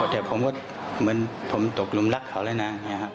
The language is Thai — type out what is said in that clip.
แต่ผมว่าเหมือนผมตกลุ่มรักเขาเลยนะ